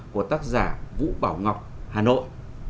của tác giả vũ bảo ngọc hà nội